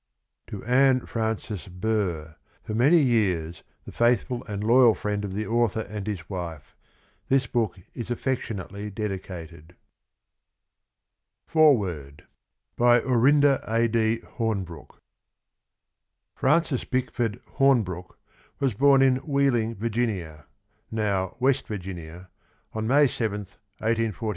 To ANN FRANCES BURR FOR MANY YEARS THE FAITHFUL AND LOYAL FRIEND OF THE AUTHOR AND HIS WIFE THIS BOOK IS AFFECTIONATELY DEDICATED FOREWORD Fkancis Bickpord Hornbrooke was born in Wheeling, Virginia (now West Virginia), May 7, : 1849.